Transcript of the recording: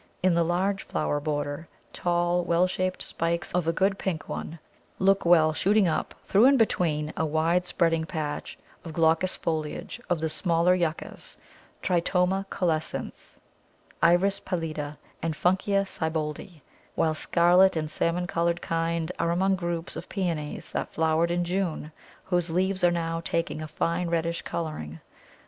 In the large flower border, tall, well shaped spikes of a good pink one look well shooting up through and between a wide spreading patch of glaucous foliage of the smaller Yuccas, Tritoma caulescens, Iris pallida, and Funkia Sieboldi, while scarlet and salmon coloured kinds are among groups of Pæonies that flowered in June, whose leaves are now taking a fine reddish colouring.